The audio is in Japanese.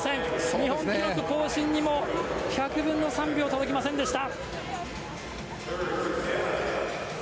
日本記録更新にも１００分の３秒届きませんでした。